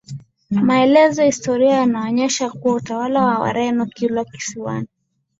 Maelezo ya historia yanaonyesha kuwa utawala wa Wareno Kilwa kisiwani